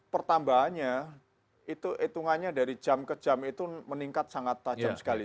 pertambahannya itungannya dari jam ke jam itu meningkat sangat tajam sekali